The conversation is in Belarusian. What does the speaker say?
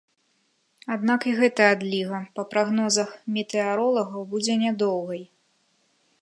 Аднак і гэтая адліга, па прагнозах метэаролагаў будзе нядоўгай.